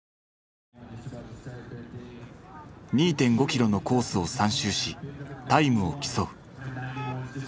２．５キロのコースを３周しタイムを競う。